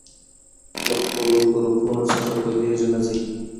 له خپلو ګروپونو نه به لرې نه ځئ.